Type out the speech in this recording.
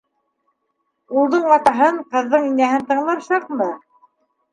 Улдың атаһын, ҡыҙҙың инәһен тыңлар саҡмы?